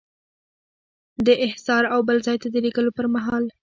د احضار او بل ځای ته د لیږلو پر مهال.